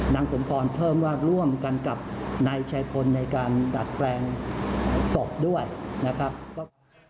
สมพรเพิ่มว่าร่วมกันกับนายชายพลในการดัดแปลงศพด้วยนะครับ